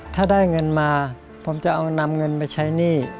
ถ้าได้เงินมาผมจะเอานำเงินไปใช้หนี้